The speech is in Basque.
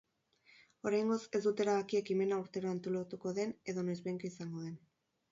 Oraingoz ez dute erabaki ekimena urtero antolatuko den edo noizbehinka izango den.